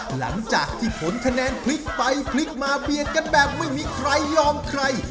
หลังจากที่ผลคะแนนพลิกไปพลิกมาเบียดกันแบบไม่มีใครยอมใคร